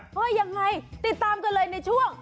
ว่ายังไงติดตามกันเลยในช่วง